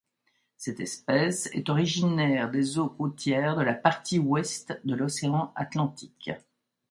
Cette espèce est originaire des eaux côtières de la partie ouest de l'Océan Atlantique.